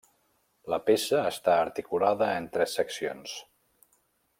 La peça està articulada en tres seccions.